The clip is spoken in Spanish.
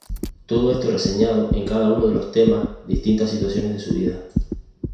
Todo esto reseñando en cada uno de los temas distintas situaciones de su vida.